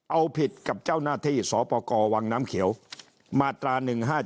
เอาผิดกับเจ้าหน้าที่สปกรวังน้ำเขียวมาตรา๑๕๗